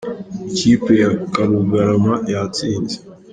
Ikipe ya Karugarama yatsinze